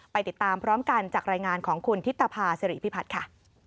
ติดตามพร้อมกันจากรายงานของคุณธิตภาษิริพิพัฒน์ค่ะ